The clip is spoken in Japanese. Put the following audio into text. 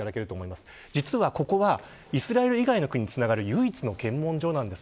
実はここは、イスラエル以外の国につながる唯一の検問所です。